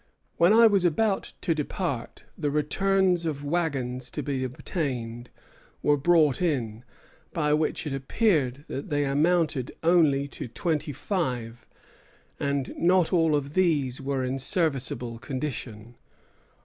When I was about to depart, the returns of wagons to be obtained were brought in, by which it appeared that they amounted only to twenty five, and not all of these were in serviceable condition."